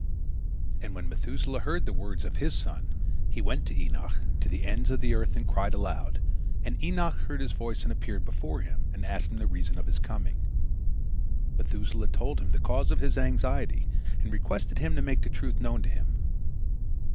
And when Methuselah heard the words of his son, he went to Enoch, to the ends of the earth, and he cried aloud, and Enoch heard his voice, and appeared before him, and asked him the reason of his coming. Methuselah told him the cause of his anxiety, and requested him to make the truth known to him.